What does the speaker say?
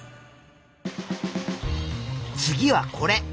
次はこれ。